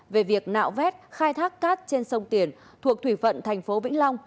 về việc nạo vét khai thác cát trên sông tiền thuộc thủy phận thành phố vĩnh long